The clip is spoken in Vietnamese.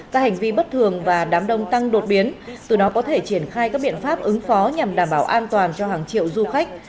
các hành vi bất thường và đám đông tăng đột biến từ đó có thể triển khai các biện pháp ứng phó nhằm đảm bảo an toàn cho hàng triệu du khách